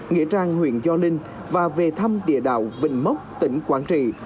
nghĩa trang huyện do linh và về thăm địa đạo vịnh mốc tỉnh quảng trị